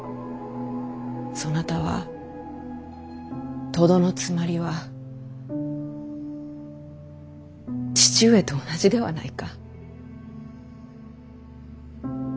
そなたはとどのつまりは父上と同じではないか？